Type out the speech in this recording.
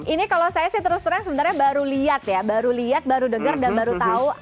ini kalau saya sih terus terang sebenarnya baru lihat ya baru lihat baru dengar dan baru tahu